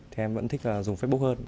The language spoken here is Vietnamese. thì em vẫn thích là dùng facebook hơn